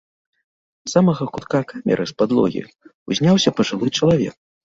З самага кутка камеры, з падлогі, узняўся пажылы чалавек.